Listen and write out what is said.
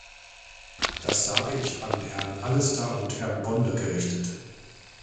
Das sage ich an Herrn Allister und Herrn Bonde gerichtet.